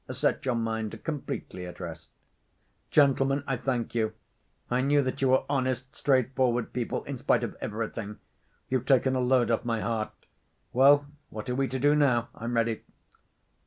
Set your mind completely at rest." "Gentlemen, I thank you. I knew that you were honest, straight‐forward people in spite of everything. You've taken a load off my heart.... Well, what are we to do now? I'm ready."